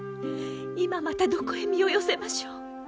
今またどこへ身を寄せましょう。